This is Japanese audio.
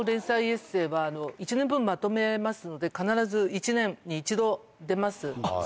エッセーは、１年分まとめますので、必ず１年に１度、出ます。